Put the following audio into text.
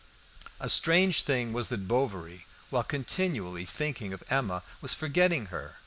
A strange thing was that Bovary, while continually thinking of Emma, was forgetting her.